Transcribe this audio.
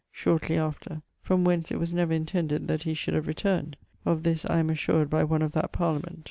(shortly after); from whence it was never intended that he should have returned (of this I am assured by one of that Parliament).